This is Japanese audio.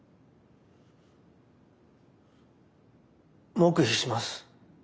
黙秘します。